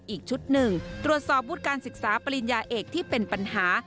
อีกชุดหนึ่งตรวจสอบวุฒิการศึกษาปริญญาเอกที่เป็นปัญหา